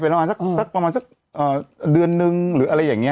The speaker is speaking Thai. เป็นแล้วหายไปประมาณสักเดือนนึงหรืออะไรอย่างนี้